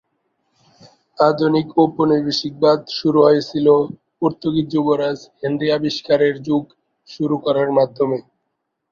আধুনিক উপনিবেশবাদ শুরু হয়েছিল পর্তুগিজ যুবরাজ হেনরি আবিষ্কারের যুগ শুরু করার মাধ্যমে।